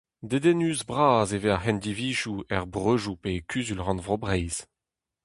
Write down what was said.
Dedennus-bras e vez ar c'hendivizoù er Breujoù pe e kuzul-rannvro Breizh.